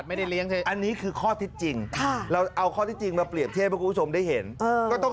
ไม่ได้เลี้ยงไม่ได้เลี้ยงไม่ได้เลี้ยง